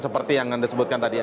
seperti yang anda sebutkan